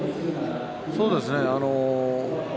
そうですね。